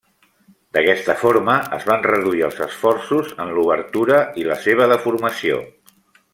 D'aquesta forma es van reduir els esforços en l'obertura i la seva deformació.